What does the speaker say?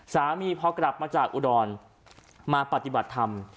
สามีพอกลับมาจากอุดรมาปฏิบัติธรรม